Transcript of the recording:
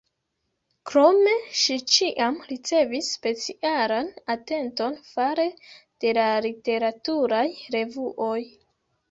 Krome, ŝi ĉiam ricevis specialan atenton fare de la literaturaj revuoj.